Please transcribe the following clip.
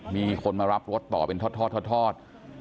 มีคนมารับรถต่อเป็นทอด